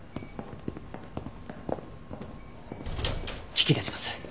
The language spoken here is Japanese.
聞き出します